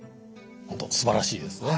本当すばらしいですね。